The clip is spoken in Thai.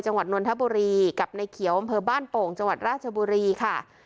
จังหวัดนนทบุรีกับในเขียวอำเภอบ้านโป่งจังหวัดราชบุรีค่ะ